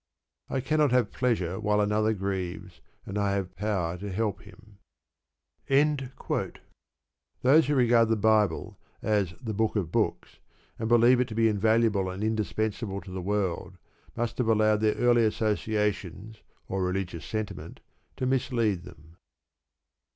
I cannot have pleasure while another grieves and I have power to help him. Those who regard the Bible as the "Book of Books," and believe it to be invaluable and indispensable to the world, must have allowed their early associations or religious sentiment to mislead them.